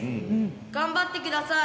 頑張ってください。